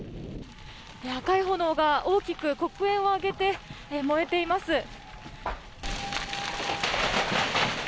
赤い炎が大きく黒煙を上げて燃えています。